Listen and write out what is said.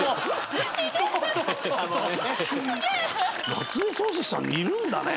夏目漱石さん似るんだね。